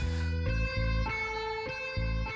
gak ada yang ngomongin gue nih ya